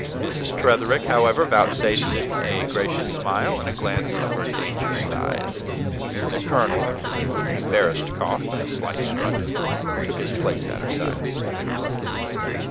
Mrs. Tretherick, however, vouchsafed him a gracious smile and a glance of her dangerous eyes; and the colonel, with an embarrassed cough and a slight strut, took his place at her side.